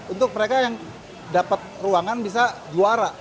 untuk mereka yang dapat ruangan bisa juara